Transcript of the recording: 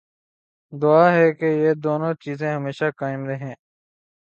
دعا ہے کہ یہ دونوں چیزیں ہمیشہ قائم رہیں۔